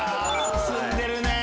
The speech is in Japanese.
進んでるね！